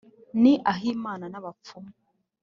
Ni ah’Imana n’abapfumu !